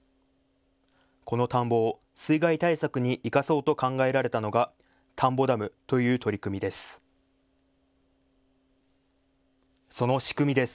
この田んぼを水害対策に生かそうと考えられたのが田んぼダムという取り組みです。